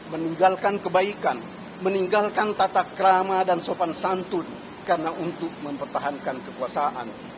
meninggalkan kebaikan meninggalkan tata krama dan sopan santun karena untuk mempertahankan kekuasaan